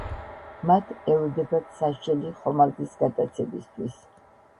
მათ ელოდებათ სასჯელი ხომალდის გატაცებისთვის.